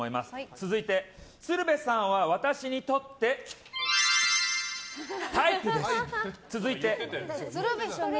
続いて、鶴瓶さんは私にとってタイプです！